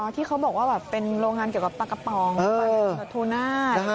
ที่เขาบอกว่าเป็นโรงงานเกี่ยวกับปลากระป๋องปลาทูน่า